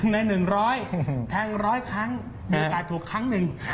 ๑ใน๑๐๐แทง๑๐๐ครั้งแต่ไอ้โอกาสถูกครั้งนึง